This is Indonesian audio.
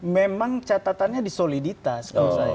memang catatannya disoliditas